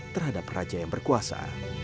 terhadap raja yang berkuasa